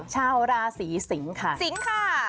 ชาวราศีสิงค่ะสิงค่ะ